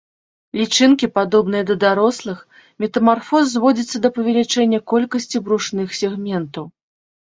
Лічынкі падобныя да дарослых, метамарфоз зводзіцца да павелічэння колькасці брушных сегментаў.